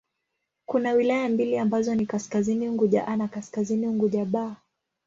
Kuna wilaya mbili ambazo ni Kaskazini Unguja 'A' na Kaskazini Unguja 'B'.